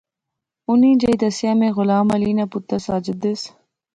اُنی جائی دسیا میں غلام علی ناں پتر ساجد دیس